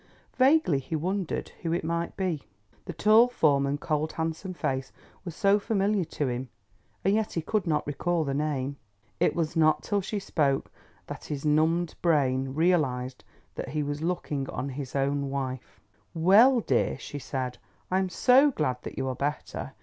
Vaguely he wondered who it might be. The tall form and cold handsome face were so familiar to him, and yet he could not recall the name. It was not till she spoke that his numbed brain realized that he was looking on his own wife. "Well, dear," she said, "I am so glad that you are better.